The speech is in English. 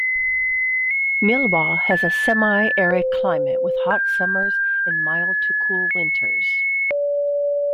Mullewa has a semi-arid climate with hot summers and mild to cool winters.